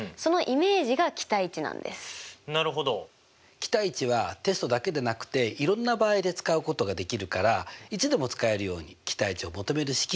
期待値はテストだけでなくていろんな場合で使うことができるからいつでも使えるように期待値を求める式覚えておいてほしいと思ってます。